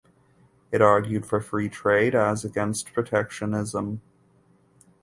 It argued for free trade as against protectionism.